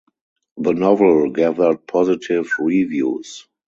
The novel gathered positive reviews.